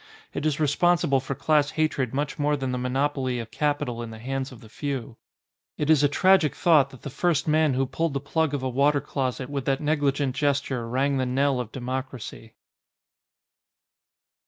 It is responsible for class hatred much more than the monopoly of capital in the hands of the few. It is a tragic thought that the first man who pulled the plug of a water closet with that negli gent gesture rang the knell of democracy.